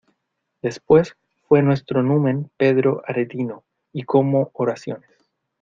después fué nuestro numen Pedro Aretino, y como oraciones